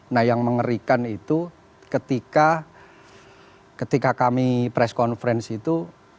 nah yang mengerikan itu ketika kami press conference itu